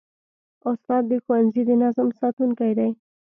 استاد د ښوونځي د نظم ساتونکی دی.